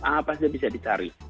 apa saja bisa dicari